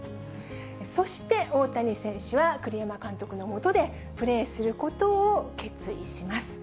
そして大谷選手は栗山監督のもとで、プレーすることを決意します。